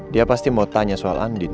dia pasti mau tanya soal andi